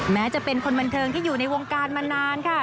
แม้จะเป็นคนบันเทิงที่อยู่ในวงการมานานค่ะ